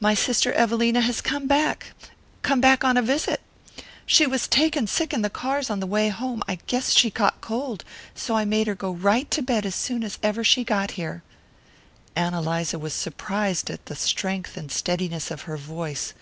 "My sister Evelina has come back come back on a visit. She was taken sick in the cars on the way home I guess she caught cold so I made her go right to bed as soon as ever she got here." Ann Eliza was surprised at the strength and steadiness of her voice.